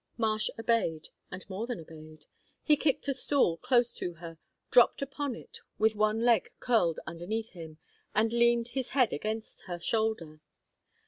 Marsh obeyed, and more than obeyed. He kicked a stool close to her, dropped upon it with one leg curled underneath him, and leaned his head against her shoulder.